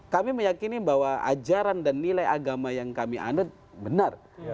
kami meyakini bahwa ajaran dan nilai agama yang kami anut benar